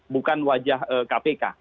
bukan wajah kpk